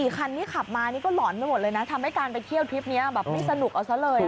คันที่ขับมานี่ก็หล่อนไปหมดเลยนะทำให้การไปเที่ยวทริปนี้แบบไม่สนุกเอาซะเลย